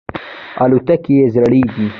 الوتکې یې زړې دي.